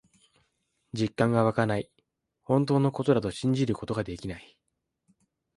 実感がわかない。本当のことだと信じることができない。